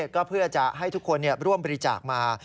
ก็เพื่อจะให้ทุกคนร่วมบริจาคมา